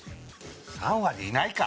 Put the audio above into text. ３割いないか！